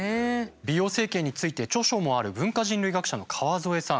美容整形について著書もある文化人類学者の川添さん